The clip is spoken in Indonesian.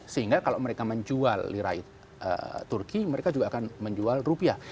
sehingga kalau mereka menjual lirai turki mereka juga akan menjual rupiah